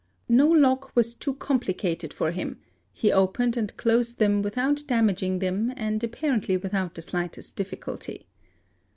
No lock was too complicated for him, he opened and closed them without damaging them and apparently without the slightest difficulty.